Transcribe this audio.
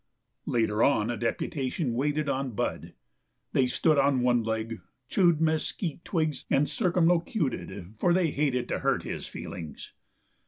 Later on, a deputation waited on Bud. They stood on one leg, chewed mesquit twigs and circumlocuted, for they hated to hurt his feelings.